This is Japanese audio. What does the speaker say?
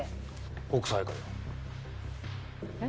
北斎かなえっ？